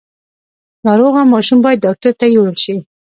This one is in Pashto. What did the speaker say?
ناروغه ماشوم باید ډاکټر ته یووړل شي۔